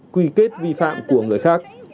quy kết vi phạm của người khác